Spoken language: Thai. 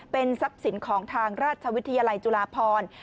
เป็นทรัพย์สินของทางราชวิทยาลัยจุฬาพร